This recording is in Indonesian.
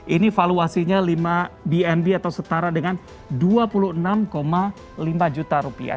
ini valuasinya lima bnb atau setara dengan dua puluh enam lima juta rupiah